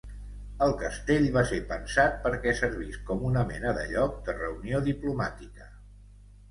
El castell va ser pensat perquè servis com una mena de lloc de reunió diplomàtica.